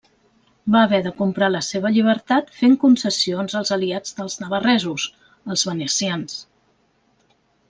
Va haver de comprar la seva llibertat fent concessions als aliats dels navarresos, els venecians.